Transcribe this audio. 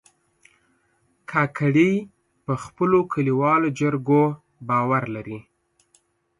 کاکړي په خپلو کلیوالو جرګو باور لري.